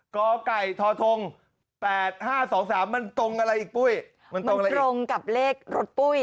ก๋อก่ายทอทงแปดห้าสองสามมันตรงอะไรอีกปุ้ยมันตรงกับเลขรถปุ้ย